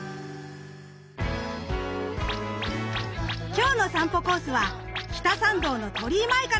今日の散歩コースは北参道の鳥居前からスタート。